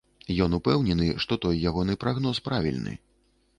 Ён упэўнены, што той ягоны прагноз правільны.